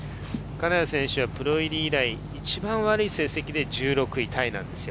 金谷選手はプロ入り以来、一番悪い成績で１６位タイなんですよ。